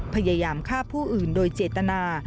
พยายามฆ่าผู้อื่นโดยเจตนา